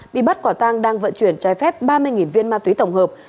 bị bắt quả tang đang vận chuyển trái phép ba mươi viên ma túy tổng hợp